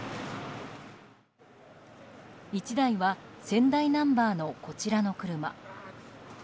１台は仙台ナンバーのこちらの車。